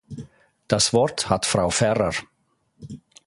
Das Wort hat Frau Ferrer.